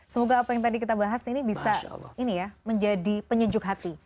semoga apa yang tadi kita bahas ini bisa ini ya menjadi penyejuk hati